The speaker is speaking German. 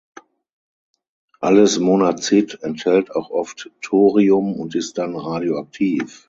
Alles Monazit enthält auch oft Thorium und ist dann radioaktiv.